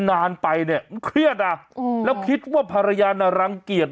นานไปเนี่ยมันเครียดอ่ะแล้วคิดว่าภรรยาน่ะรังเกียจ